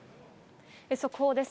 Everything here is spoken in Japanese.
速報です。